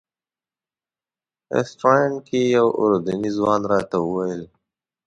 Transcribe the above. رسټورانټ کې یو اردني ځوان راته وویل.